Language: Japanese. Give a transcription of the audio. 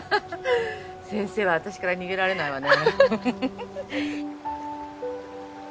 先生は私から逃げられないわね。